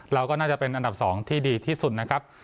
เราก็น่าจะเป็นอันดับ๒ที่ดีที่สุดนะครับ